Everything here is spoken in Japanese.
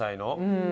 うん。